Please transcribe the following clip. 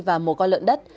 và một con lợn đất